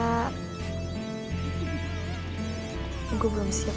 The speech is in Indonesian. gue belum siap jadi pacarnya sekarang